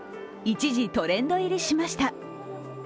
一時トレンド入りしました。